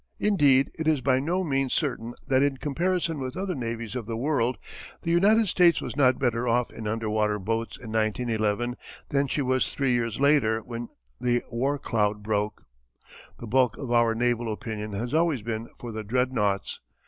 Indeed it is by no means certain that in comparison with other navies of the world the United States was not better off in underwater boats in 1911 than she was three years later when the warcloud broke. The bulk of our naval opinion has always been for the dreadnoughts.